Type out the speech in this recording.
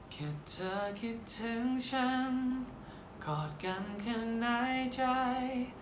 เธอคิดถึงฉันกอดกันข้างในใจ